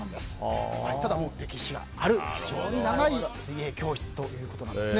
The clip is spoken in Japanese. ただ、歴史がある非常に長い水泳教室ということなんです。